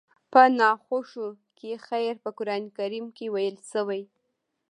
په ناخوښو کې خير په قرآن کريم کې ويل شوي.